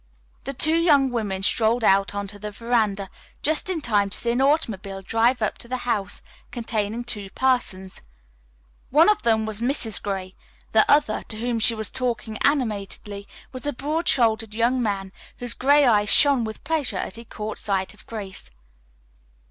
The two young women strolled out onto the veranda just in time to see an automobile drive up to the house containing two persons. One of them was Mrs. Gray, the other, to whom she was talking animatedly, was a broad shouldered young man, whose gray eyes shone with pleasure as he caught sight of Grace.